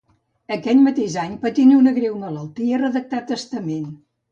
Aquell mateix any, patint una greu malaltia, redactà testament.